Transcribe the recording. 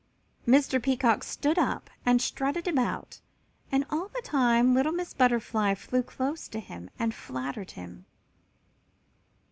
Mr. Peacock stood up and strutted about, and all the time little Miss Butterfly flew close to him and flattered him.